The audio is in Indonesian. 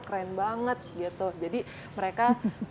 keren banget gitu jadi mereka